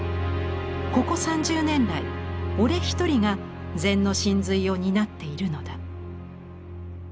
ここ三十年来俺一人が禅の神髄を担っているのだ」。